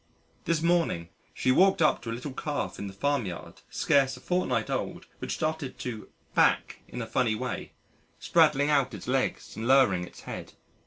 This morning, she walked up to a little Calf in the farm yard scarce a fortnight old which started to "back" in a funny way, spraddling out its legs and lowering its head.